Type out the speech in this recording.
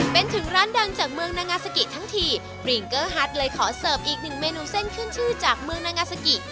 เป็นถึงร้านดังจากเมืองนางาซากิทั้งทีปริงเกอร์ฮัทเลยขอเสิร์ฟอีกหนึ่งเมนูเส้นขึ้นชื่อจากเมืองนางาซากิ